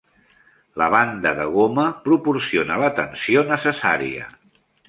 La banda de goma proporciona la tensió necessària.